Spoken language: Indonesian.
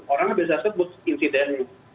orangnya biasa sebut insiden